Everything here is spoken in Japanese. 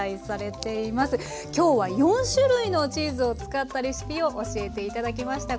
今日は４種類のチーズを使ったレシピを教えて頂きました。